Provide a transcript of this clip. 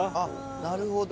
なるほど。